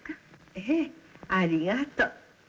ええ。ありがと。